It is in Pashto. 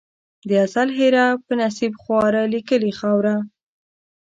د ازل هېره په نصیب خواره لیکلې خاوره